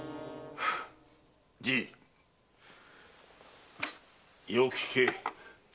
じいよく聞け。